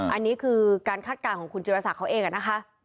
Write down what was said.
อันนี้คือการฆัดกลางของคุณจิตรศักดิ์เขาเองนะคะ